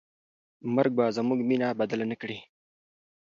مرګ به زموږ مینه بدله نه کړي.